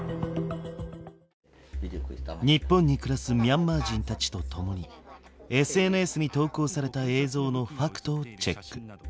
日本に暮らすミャンマー人たちと共にＳＮＳに投稿された映像のファクトをチェック。